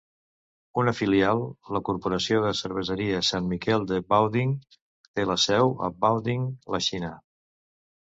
Una filial, la Corporació de Cerveseria San Miguel de Baoding, té la seu a Baoding (la Xina).